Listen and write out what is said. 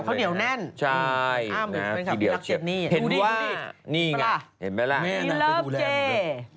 แฟนคลับเข้าเหนียวแน่นคุณนักเจ็ดนี่ดูดิมาหรือ